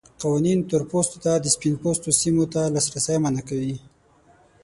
قوانین تور پوستو ته د سپین پوستو سیمو ته لاسرسی منع کوي.